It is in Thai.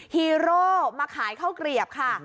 ฮีโร่มาขายข้าวเกลียบค่ะ